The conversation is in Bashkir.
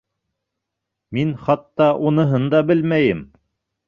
Мин хатта уныһын да белмәйем.